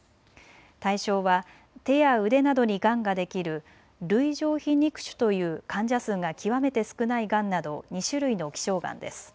対象は手や腕などにがんができる類上皮肉腫という患者数が極めて少ないがんなど２種類の希少がんです。